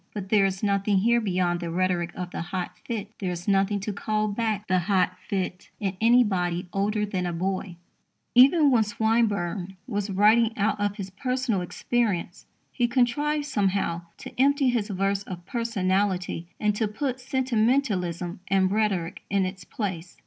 But there is nothing here beyond the rhetoric of the hot fit. There is nothing to call back the hot fit in anybody older than a boy. Even when Swinburne was writing out of his personal experience, he contrived somehow to empty his verse of personality and to put sentimentalism and rhetoric in its place.